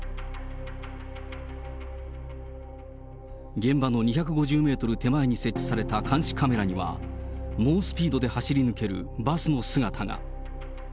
現場の２５０メートル手前に設置された監視カメラには、猛スピードで走り抜けるバスの姿が。